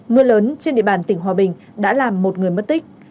mưa lớn trên địa bàn tỉnh hòa bình đã làm một người mất tích